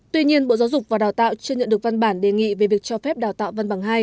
tuy nhiên bộ giáo dục và đào tạo chưa nhận được văn bản đề nghị về việc cho phép đào tạo văn bằng hai